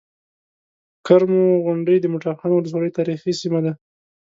کرمو غونډۍ د مټاخان ولسوالۍ تاريخي سيمه ده